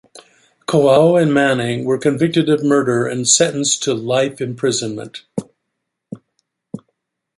Kouao and Manning were convicted of murder and sentenced to life imprisonment.